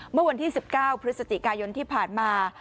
เมื่อวันที่๑๙พฤศจิกายนที่ผ่านมา